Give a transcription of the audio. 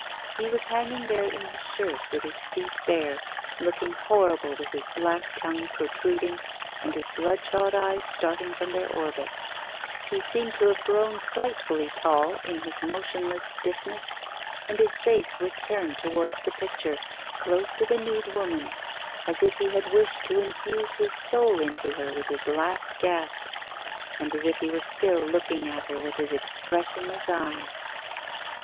He was hanging there in his shirt, with his feet bare, looking horrible, with his black tongue protruding, and his bloodshot eyes starting from their orbits; he seemed to have grown frightfully tall in his motionless stiffness, and his face was turned towards the picture, close to the nude woman, as if he had wished to infuse his soul into her with his last gasp, and as if he were still looking at her with his expressionless eyes.